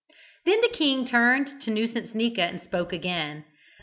Then the king turned to Nuisancenika and spoke again.